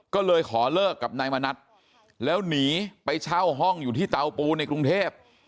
ก็เลยขอเลิกกับนายมณัฐแล้วหนีไปเช่าห้องอยู่ที่เตาปูในกรุงเทพ